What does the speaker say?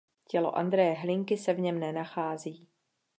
Tělo Andreje Hlinky se v něm nenachází.